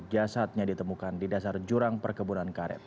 jasadnya ditemukan di dasar jurang perkebunan karet